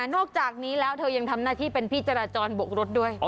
นอกจากนี้แล้วเธอยังทำหน้าที่เป็นพี่จราจรบกรถด้วย